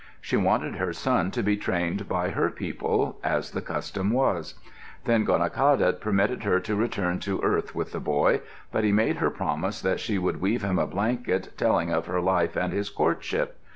She wanted her son to be trained by her people, as the custom was. Then Gonaqadet permitted her to return to earth with the boy, but he made her promise that she would weave him a blanket telling of her life and his courtship.